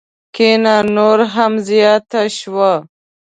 کینه نوره هم زیاته شوه.